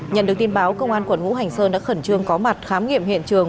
nhận được tin báo công an quận ngũ hành sơn đã khẩn trương có mặt khám nghiệm hiện trường